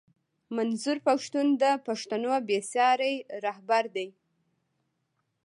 منظور پښتون د پښتنو بې ساری رهبر دی